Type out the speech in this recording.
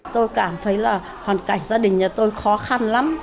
tôi cảm thấy là hoàn cảnh gia đình nhà tôi khó khăn lắm